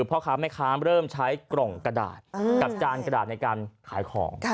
พ่อค้าแม่ค้าเริ่มใช้กล่องกระดาษกับจานกระดาษในการขายของ